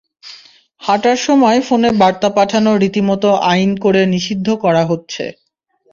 হাঁটার সময় ফোনে বার্তা পাঠানো রীতিমতো আইন করে নিষিদ্ধ করা হচ্ছে।